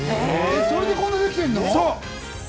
それでこんなにできてるの？